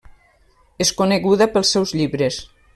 És coneguda pels seus llibres.